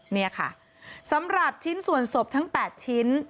นี่ค่ะสำหรับชิ้นส่วนศพทั้ง๘ชิ้น